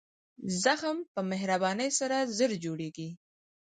زخم په مهربانۍ سره ژر جوړېږي.